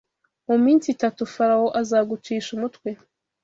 mu minsi itatu Farawo azagucisha umutwe